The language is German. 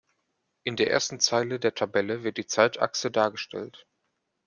In der ersten Zeile der Tabelle wird die Zeitachse dargestellt.